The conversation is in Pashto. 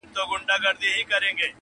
• لا په عقل وو تر نورو هم ښاغلی -